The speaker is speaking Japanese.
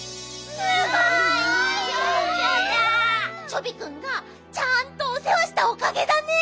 チョビくんがちゃんとおせわしたおかげだね。